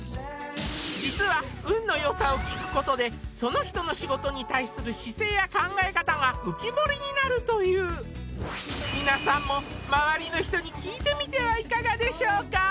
実は運のよさを聞くことでその人の仕事に対する姿勢や考え方が浮き彫りになるという皆さんも周りの人に聞いてみてはいかがでしょうか？